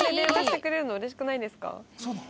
そうなの？